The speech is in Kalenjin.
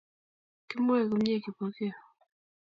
Kimwoi komie Kipokeo